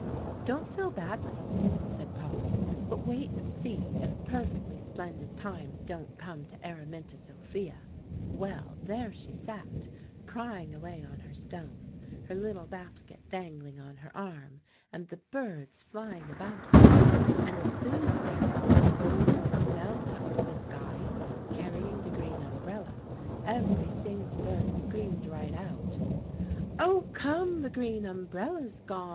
"Don't feel badly," said Polly; "but wait and see if perfectly splendid times don't come to Araminta Sophia. Well, there she sat, crying away on her stone, her little basket dangling on her arm, and the birds flying about her; and as soon as they saw the old woman mount up to the sky carrying the green umbrella, every single bird screamed right out, 'Oh, come, the green umbrella's gone!